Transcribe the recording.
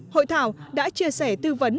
hội thảo đã chia sẻ tư vấn